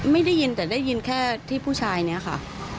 ไม่ได้ยินแต่ได้ยินแค่ที่ผู้ชายเนี่ยค่ะ